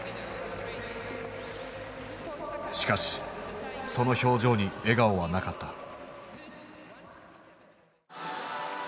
しかしその表情に笑顔はなかった。